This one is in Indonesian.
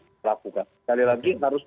kita lakukan sekali tapi harus